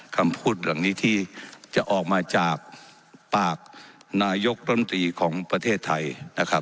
คำพูดเหล่านี้ที่จะออกมาจากปากนายกรัฐมนตรีของประเทศไทยนะครับ